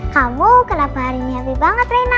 kamu kenapa hari ini hati banget rina